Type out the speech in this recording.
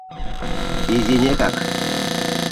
Изинекак.